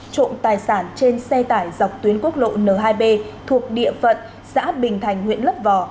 trộm tài sản trên xe tải dọc tuyến quốc lộ n hai b thuộc địa phận xã bình thành huyện lấp vò